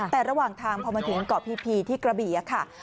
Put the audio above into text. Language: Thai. แต่ระหว่างทางพอมาถึงเกาะพีที่กระบี่ค่ะ